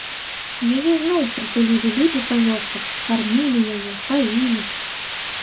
Яе зноў прытулілі людзі па вёсках, кармілі яе, паілі.